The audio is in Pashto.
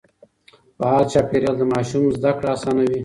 فعال چاپېريال د ماشوم زده کړه آسانوي.